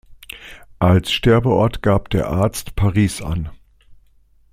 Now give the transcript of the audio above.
Als Sterbeort gab der Arzt Paris an.